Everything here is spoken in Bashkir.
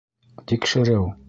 Тикшереү!